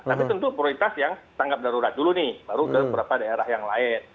tapi tentu prioritas yang tanggap darurat dulu nih baru ke beberapa daerah yang lain